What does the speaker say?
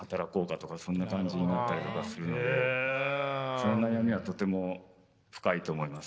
その悩みはとても深いと思います。